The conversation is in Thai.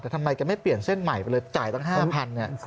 แต่ทำไมแกไม่เปลี่ยนเส้นใหม่จ่ายตั้ง๕๐๐๐บาท